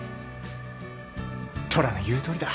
虎の言うとおりだ。